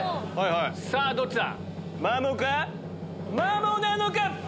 さぁどっちだ？